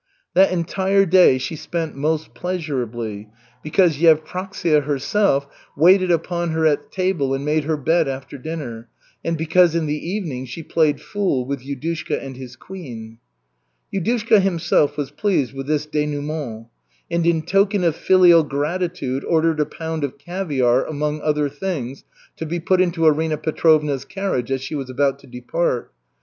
That entire day she spent most pleasurably, because Yevpraksia herself waited upon her at table and made her bed after dinner, and because in the evening she played fool with Yudushka and his queen. Yudushka himself was pleased with this dénouement, and in token of filial gratitude ordered a pound of caviar, among other things, to be put into Arina Petrovna's carriage as she was about to depart.